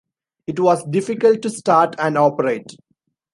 It was difficult to start and operate.